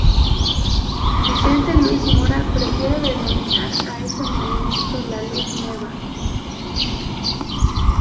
Vicente Luis Mora prefiere denominar a este movimiento La Luz Nueva.